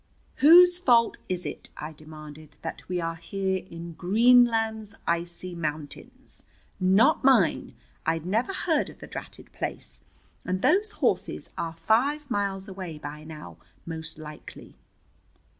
"Whose fault is it," I demanded, "that we are here in 'Greenland's Icy Mountains'? Not mine. Id never heard of the dratted place. And those horses are five miles away by now, most likely."